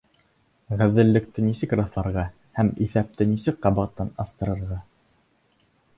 Ғәҙеллекте нисек раҫларға һәм иҫәпте нисек ҡабаттан астырырға?